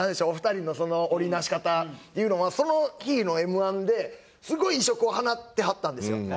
お二人の織り成し方っていうのはその日のＭ−１ですごい異色を放ってはったんですよ。